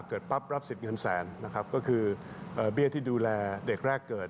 ปั๊บรับสิทธิ์เงินแสนนะครับก็คือเบี้ยที่ดูแลเด็กแรกเกิด